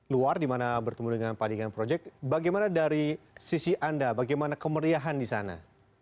luar dimana bertemu dengan padingan project bagaimana dari sisi anda bagaimana kemeriahan di sana